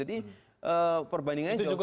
jadi perbandingannya jauh sekali